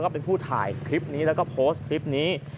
เป็นผู้ถ่ายคลิปนี้แล้วก็โพสต์คลิปนี้